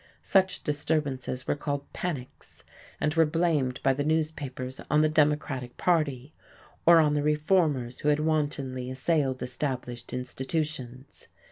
Such disturbances were called "panics," and were blamed by the newspapers on the Democratic party, or on the reformers who had wantonly assailed established institutions.